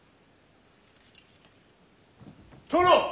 殿！